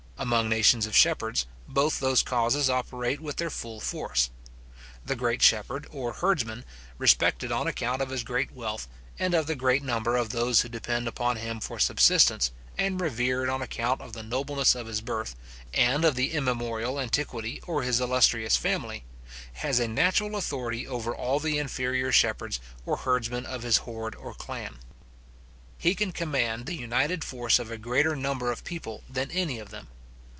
Among nations of shepherds, both those causes operate with their full force. The great shepherd or herdsman, respected on account of his great wealth, and of the great number of those who depend upon him for subsistence, and revered on account of the nobleness of his birth, and of the immemorial antiquity or his illustrious family, has a natural authority over all the inferior shepherds or herdsmen of his horde or clan. He can command the united force of a greater number of people than any of them.